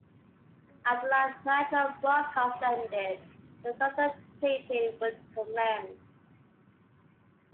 After the live "Nitro" broadcast ended, the "Thunder" taping would commence.